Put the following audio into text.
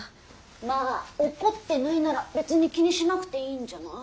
まあ怒ってないなら別に気にしなくていいんじゃない？